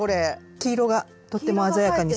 黄色がとっても鮮やかに染まります。